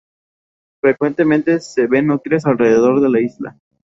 Frecuentemente se ven nutrias alrededor de la isla.